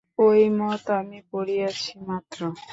ঐ মত আমি পড়িয়াছি মাত্র।